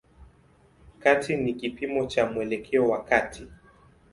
Kati ni kipimo cha mwelekeo wa kati.